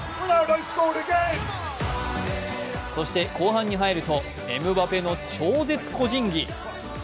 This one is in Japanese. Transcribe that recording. そして後半に入ると、エムバペの超絶個人技。